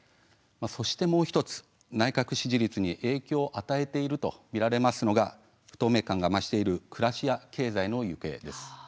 そしてもう１つ、内閣支持率に影響を与えていると見られるのが不透明感が増している暮らしや経済の行方です。